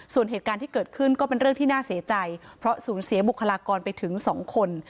ส่วนเหตุการณ์ที่เกิดขึ้นก็เป็นเรื่องที่น่าเสียใจเพราะสูญเสียบุคลากรไปถึง๒คน